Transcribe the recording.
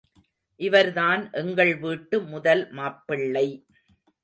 இவர்தான் எங்கள் வீட்டு முதல் மாப்பிள்ளை.